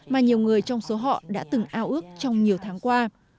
mà nhiều người trong số họ đã từng ao ước trong nhiều tháng qua